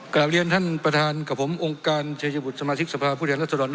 กลับเรียนท่านประธานกับผมองค์การชายบุตรสมาชิกสภาพผู้แทนรัศดร